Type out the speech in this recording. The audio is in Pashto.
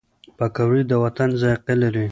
پکورې د وطن ذایقه لري